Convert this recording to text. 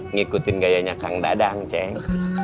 ngikutin gayanya kang dadang ceng